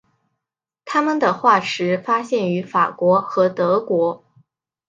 它们的化石发现于法国和德国。